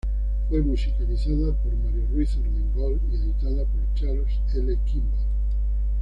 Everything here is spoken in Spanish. Fue musicalizada por Mario Ruiz Armengol y editada por Charles L. Kimball.